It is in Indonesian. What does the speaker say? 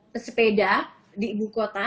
pesepeda di ibu kota